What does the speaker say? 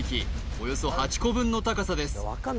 およそ８個分の高さです